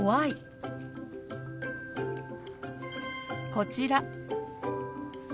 こちら。